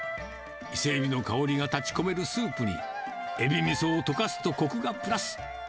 イセエビの香りが立ち込めるスープに、エビみそを溶かすとこくがプラス。